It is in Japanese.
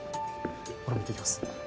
俺も行ってきます。